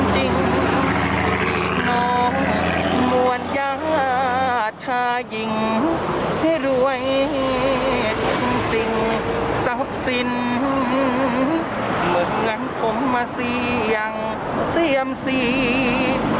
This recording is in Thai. บีนมวลยะชายิ่งให้รวยสิ่งที่สับสินเหมือนคนมภาษียังเสี่ยมศีล